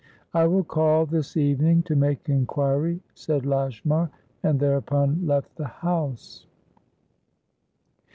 "I will call this evening to make inquiry," said Lashmar, and thereupon left the house.